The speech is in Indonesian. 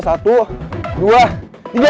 satu dua tiga